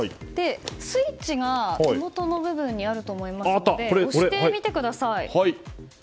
スイッチが手元の部分にありますので押してみてください。